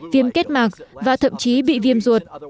viêm kết mạc và thậm chí bị viêm ruột